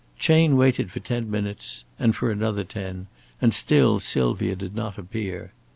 Chayne waited for ten minutes, and for another ten, and still Sylvia did not appear.